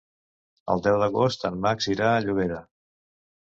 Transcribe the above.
El deu d'agost en Max irà a Llobera.